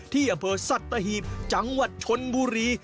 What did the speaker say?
ที่อำเภอสัตหีบจังหวัดชนบุรี